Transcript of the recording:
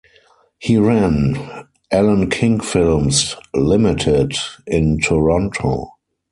He ran Allan King Films Limited in Toronto.